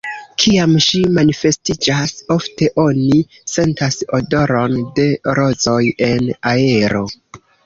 Kiam ŝi manifestiĝas, ofte oni sentas odoron de rozoj en aero.